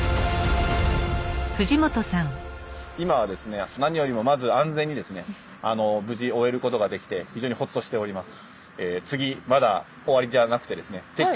今はですね何よりもまず安全にですね無事終えることができて非常にほっとしております。